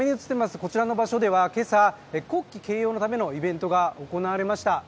こちらの場所では今朝、国旗掲揚のためのイベントが行われました。